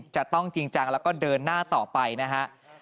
จะต้องจริงจังแล้วก็เดินหน้าต่อไปนะฮะ